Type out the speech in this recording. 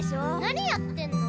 何やってんの？